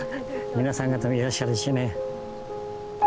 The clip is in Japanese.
皆さん方もいらっしゃるしね。